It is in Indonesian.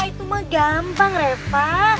itu mah gampang reva